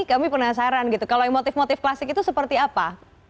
kami penasaran gitu kalau yang motif motif klasik itu seperti apa